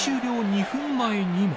２分前にも。